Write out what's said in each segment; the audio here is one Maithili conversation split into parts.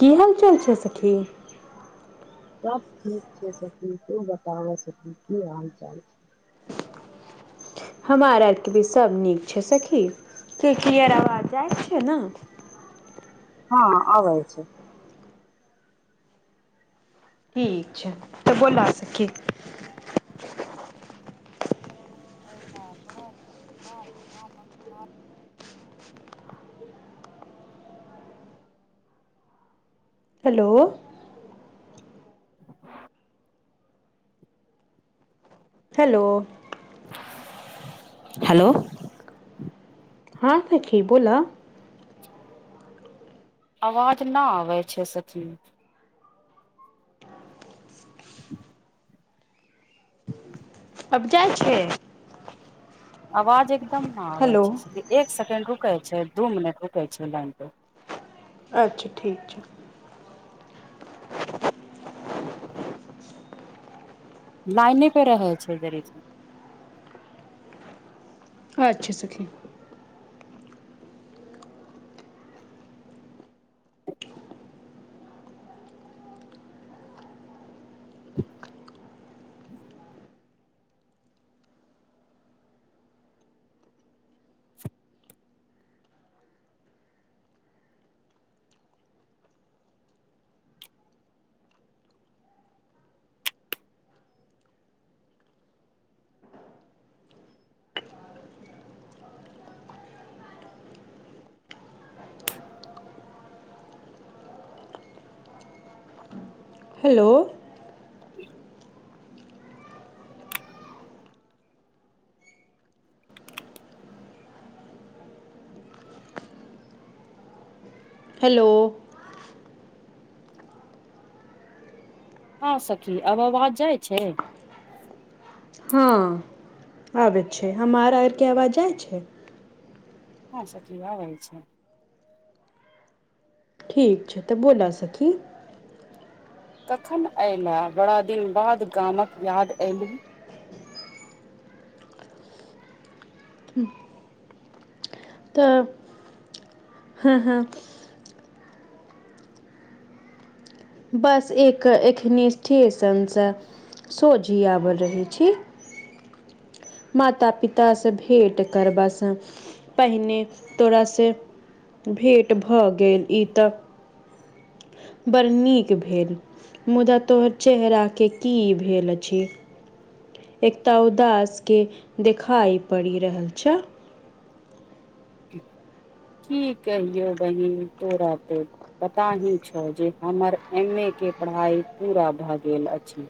की हाल चाल छै सखी। सब ठीक छै सखी तू बताब की हालचाल। हमर आरके भी सब नीक छै सखी, की क्लीअर आवाज जाइ छैै ने। हँ आबै छै। ठीक छै, त बोला सखी। बड़ा [unintelligible] हलो! हेलो! हेलो! हँ सखी! बोलह। आवाज ना आबै छै सखी? ह [inaudible] अब जाइ छै। आवाज एकदम ना आबै हेलो छै से, एक सेकेण्ड रुकल छै दू मिनट रुकल छै लाइनपर। अच्छा ठीक छै। लाइने प रहै छै, जेरे अच्छा सखी। [inaudible] हेलो! [inaudible] हेलो! हँ सखी! आब आबाज जाइ छै? हँ आबै छै, हमार आरके अवाज जाइ छै। हं सखी आबै छै। ठीक छै त, बोल सखी। कखन अयल, बड़ा दिन बाद गामक याद अयली। त हँ- हँ। बस एक एखन स्टेशनसँ सोझे आबि रहै छी। माता- पिता स भेट करबा स पहिने तोरास भेट भ गेल, ई त बड़ नीक भेल, मुदा तोहर चेहराके की भेल अछी? एकटा उदास के देखा परि रहल छै। की कहिअ बहिन तोरा त पता ही छौ, जे हमर एम ए के पढ़ाइ पूरा भए गेल अछी।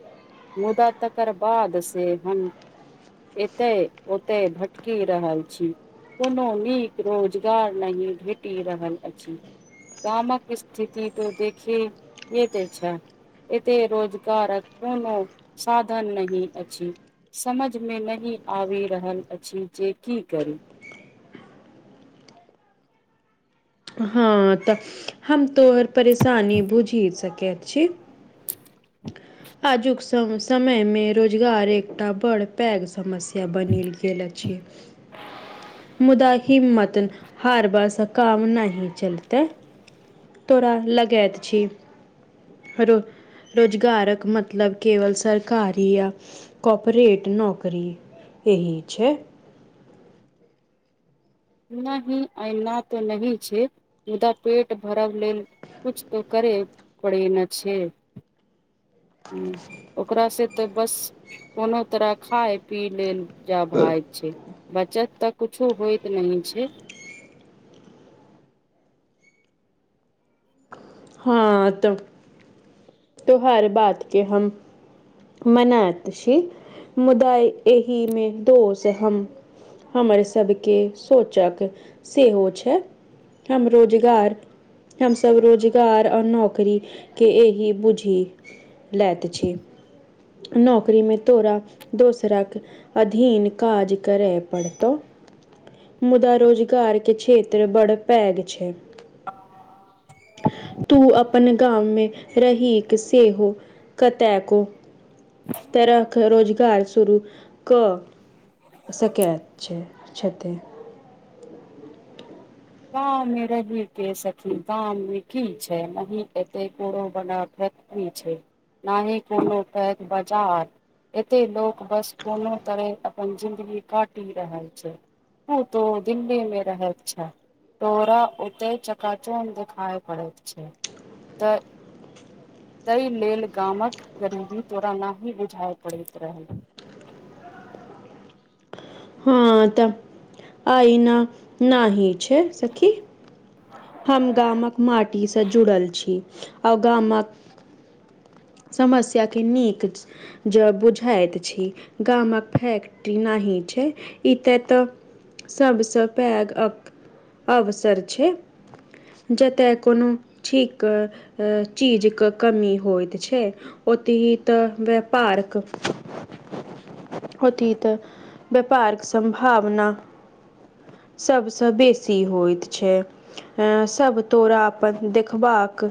मुदा तकर बाद से हम एत- ओत भटकी रहल छी, कोनो नीक रोजगार नहीं भेटी रहल अछी। गामक स्थिति त देखिए त छं। एत रोजगारक कोनो साधन नहीं अछी। समझमे नहीं आबी रहल अछि जे की करी। हँ, त हम तोहर परेशानी बुझी सकैत छी। आजुक सम समयमे रोजगार एकटा बड़ पैघ समस्या बनल गेल अछि। मुदा हिम्मत हारबा स काज नाही चलतै। तोरा लगात छी, रो रोजगारक मतलब, केवल सरकारी या कोपरेट नौकरी। एहि छै। नहि ऐना तऽ नही छैय, मुदा पेट भरब लेल कुछ तो करे पड़े न छे। ह ओकरा से तऽ बस कोनो तरह खाय पी लेल। जा भाइत छैय बचत तऽ कुछो होइत नहि छैय। हँ तऽ तोहार बात के हम। मनात छी मुदा एहि मे तो सेहम। हमर सबके सोचक सेहो छैय। हम रोजगार हमसब रोज गार आ नौकरीके एहि बुझि लैत छी। नौकरी मे तोरा दोसरा के। अधीन काज करय पड़तो। मुदा रोजगारके क्षेत्र बड्ड पैघ छैय। तू अपन गाम में रहिक सेहो कतैको। तरहख रोजगार शुरू क। सकैय छैय छते! गाँव मे रही के सखी गा मे की छैय मही एते कोड़ो बना क। नही छैय ना ही कोनो पैघ बजार। एते लोक बस कोनो तरहे अपन जिंन्दगी काटि रहल छैय। हैं तो दिल्ली मे रहै छै। तोरा ओते चकाचौंध देखाई पड़ैत छैय तऽ। तै लेल गामक गरीबी तोरा नाहि बुझाए पड़ैत रहै। हँ त अइना ना ही छैय सखी। ससससस [unintelligible] हम गामक माटी स जुड़ल छी आऔ गामक। समस्या के निक। ज बुझाइत छी गामक फैक्ट्री नही छैय। ईतय एतऽ सभसँ पैघ अक अवसर छेय। जतय कोनो ठीक चीज क कमी होइत छय। छै अतही तो व्यापारक। होतही त व्यापारक संभावना। सबस बेसी होइत छय। ऐं सब तोरा अपन देखबाक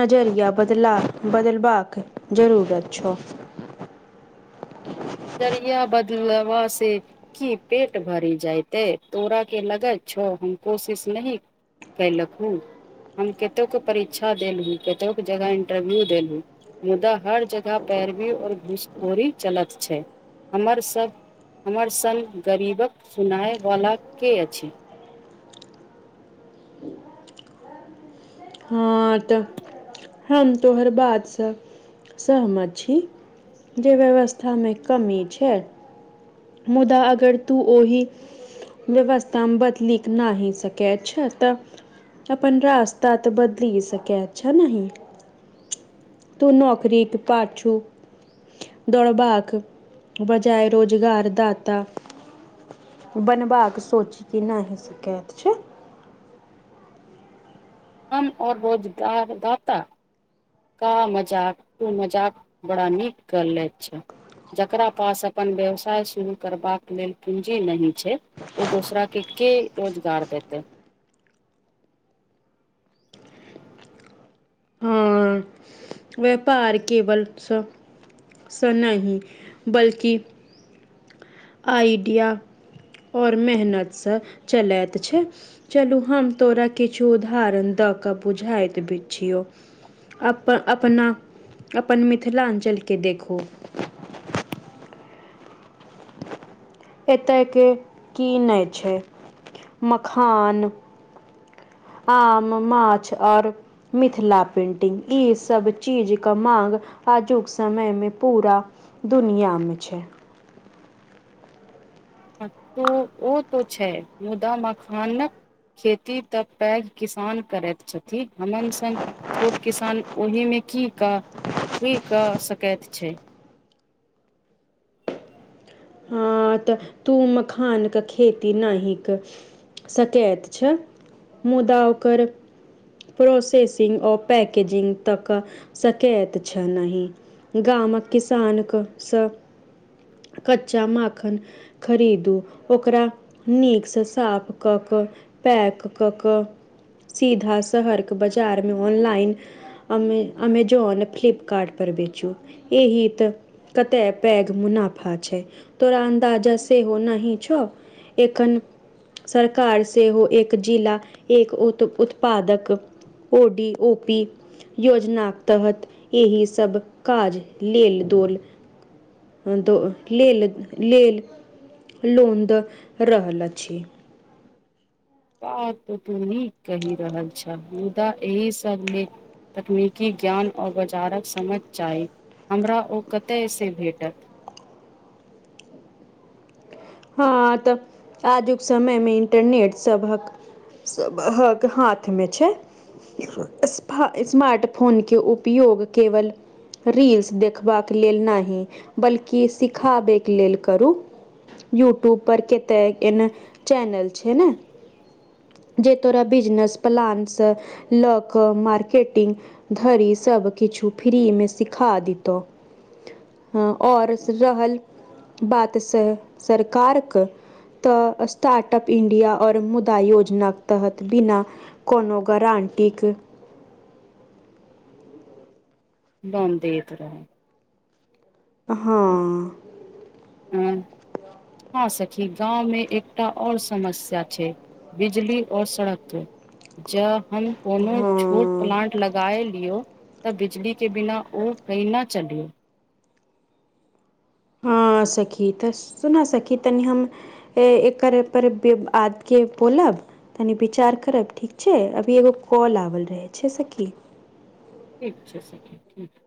नजरिया बदला। बदलबाक जरूरत छअ। नजरिया बदलवा से। कि पेट भरि जायतै छै तोरा के लगय छौ हम कोशिश नहि। कयलक हु हम केतौको परीक्षा देलहूँ केतौक जगह इन्टरव्यू देलहूँ। मुदा हर जगह पैरवी और घूसखोरी चलत छैय हमर सब। हमर सन गरीबक सुनायवला के अछि। हँ तऽ हम तोहर बात सह। सहमत छी जे व्यवस्थामे कमी छैय। मुदा अगर तू ओही। व्यवस्ताम बदलिक नही सकै छय तऽ अपन रास। तात बदली सकै छय नहीं। तू नौकरी क पाछु। दौड़बाके बजाय रोजगार दाता। बनबाक सोची कि नहि सकैत छय। हम और रोजगारदाता। का मजाक तू मजाक बड़ा नीक क ले छअ। जकरा पास अपन व्यवसाय शुरू करबाक लेल पूजी नही छैय। ओ दोसरा के केय रोजगार देते। ह व्यापार केवल स। स नहि बल्कि। आइडिया ओर मेहनतस चलैत छैय। चलु हम तोरा किछु उदाहरण दऽ कऽ बुझाइत छियौ। अप अपना अपन मिथिलांचल के देखु। एतय के की नै छैय मखान। आम माछ आओर। मिथिला पेन्टिंग इ सब चीजक मांग। आजुक समयमे पुरा दुनियामे छैय। तु ओ तो छैय मुदा मखानक। खेती तऽ पैघ किसान करैत छथिन हमन संग छोट। किसान ओहिमे कीऽ की कऽ सकैत छैय। ह तऽ तु मखानक खेती नहि क सकैत छैय मुदा ओकर। प्रोसेसिंग आर पैकेजिंग तक सकैत छैय न नही। गामक किसानक स। कच्चा माखन खरीदु ओकरा नीक स साफ कऽ कऽ। पैक कऽक सीधा शहर क बाजारमे ऑनलाइन। अमे अमेजोन फ्लिपकार्ट पर बेचु एहि त। कतय पैघ मुनाफा। छैय तोरा अन्दाजा सेहो नाही छौ एखन। सरकार सेहो एक जिला एक उत उत्पादक। O D O P. योजना तहत एहिसब काज लेल दोल। दो लेल लेल लौन दऽ रहल अछि। बात त तु नीक कहि रहल छह मुदा एहि सबमे। तकनीकी ज्ञान ओर बाजारक समझ चाही हमरा ओ कतयस भेटत। ह तऽ आजुक समयमे इंटरनेट सबहक। सबहक हाथमे छैय। स्पा स्मार्ट फोनके उपयोग केवल। रील्स देखबाक लेल नहि बल्कि सिखाबैके लेल करू। यूट्यूब पर कते एन चेनल छैय न। जे तोरा बिजनेस पलानस लक मार्केटिंग। धरि सबकिछु फ्रीमे सिखा दितहु। ह आऔर रहल बात से सरकारक। तऽ स्टार्टअ अप इण्डिया आओर मुदा योजनाके तहत बिना। कोनो गरानटिक। लौन देैत रहैय। ह ऽ ऽ। ह [unintelligible] ह सखी गाँवमे एकटा आओर समस्या छैय। बिजली और सड़क ज हम कोनो छोट हाँ प्लान्ट लगाए लियौ त बिजलीके बिना ओ कैना चली? हं सखी त सुन सखी तनी हम हे एकर पर बेआदके बोलब? तनी विचार करब ठीक छै, अभी एगो कॉल आबल रहै छै सखी। ठीक छै सखी ठीक।